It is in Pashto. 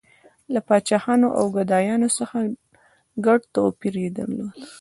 • له پاچاهانو او ګدایانو څخه ګډ ټولګی یې درلود.